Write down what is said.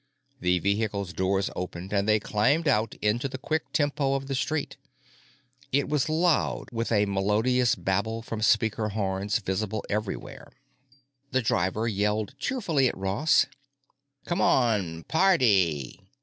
The vehicle's doors opened and they climbed out into the quick tempo of the street. It was loud with a melodious babble from speaker horns visible everywhere. The driver yelled cheerfully at Ross: "C'mon. Party."